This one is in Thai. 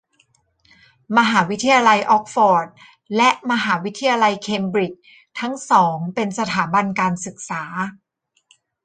มหาวิทยาลัยอ๊อกซ์ฟอร์ด และ มหาวิทยาลัยแคมบริดจ์ ทั้งสองเป็นสถาบันการศึกษา